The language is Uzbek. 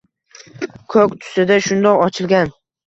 Ko‘k tusida shundoq ochilgan.